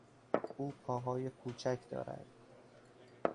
او پاهای کوچک دارد.